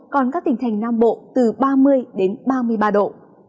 còn các tỉnh thành nam bộ từ ba mươi đến ba mươi ba độ